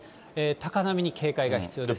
高波に警戒が必要です。